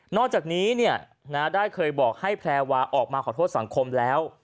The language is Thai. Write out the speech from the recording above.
อกจากนี้ได้เคยบอกให้แพรวาออกมาขอโทษสังคมแล้ว